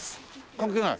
関係ない？